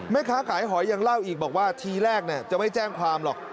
แม่ค้าขายหอยยังเล่าอีกบอกว่าทีแรกจะไม่แจ้งความหรอก